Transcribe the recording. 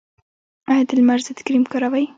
ایا د لمر ضد کریم کاروئ؟